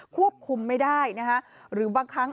ควบคุมไม่ได้นะคะหรือบางครั้ง